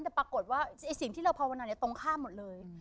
แต่ปรากฏว่าสิ่งที่เราภาวนาเนี่ยตรงข้ามหมดเลย